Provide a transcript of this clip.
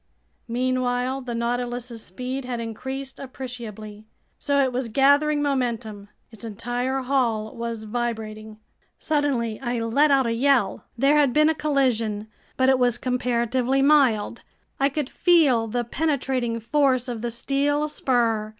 Meanwhile the Nautilus's speed had increased appreciably. So it was gathering momentum. Its entire hull was vibrating. Suddenly I let out a yell. There had been a collision, but it was comparatively mild. I could feel the penetrating force of the steel spur.